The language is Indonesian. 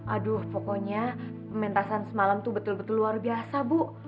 aduh pokoknya pementasan semalam itu betul betul luar biasa bu